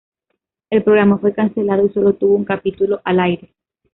El programa fue cancelado y sólo tuvo un capítulo al aire.